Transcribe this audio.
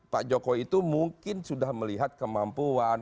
pak jokowi itu mungkin sudah melihat kemampuan